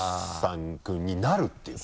君になるっていうこと？